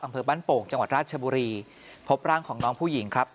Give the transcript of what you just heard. อำเภอบ้านโป่งจังหวัดราชบุรีพบร่างของน้องผู้หญิงครับ